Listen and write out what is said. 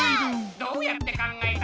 どうやって考えた？